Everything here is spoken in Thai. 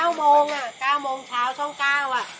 พ่อเป็นตัวพ่อเองพ่อไม่เป็นใครนะ